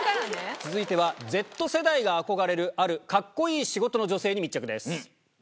続いては、Ｚ世代が憧れる、あるかっこいい仕事の女性に密着です。